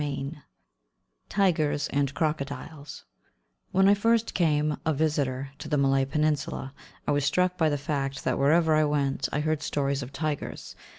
XXIV TIGERS AND CROCODILES When I first came, a visitor, to the Malay Peninsula, I was struck by the fact that wherever I went I heard stories of tigers.